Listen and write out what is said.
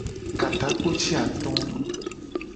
Ka takpo ci ato.